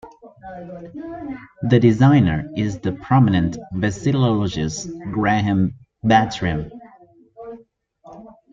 The designer is the prominent vexillologist Graham Bartram.